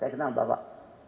saya kenal bapak